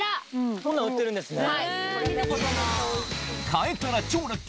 そんなん売ってるんですね。